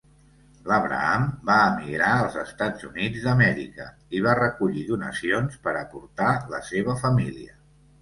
L'Abraham va emigrar als Estats Units d'Amèrica i va recollir donacions per a portar la seva família.